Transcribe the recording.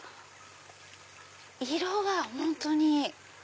色が本当に。